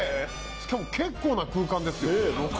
しかも結構な空間ですよ。